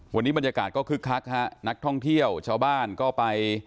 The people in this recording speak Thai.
วันนี้บรรยากาศก็คึกคักฮะนักท่องเที่ยวชาวบ้านก็ไป